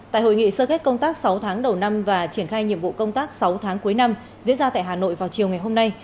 tại hội nghị sơ kết công tác sáu tháng đầu năm và triển khai nhiệm vụ công tác sáu tháng cuối năm diễn ra tại hà nội vào chiều ngày hôm nay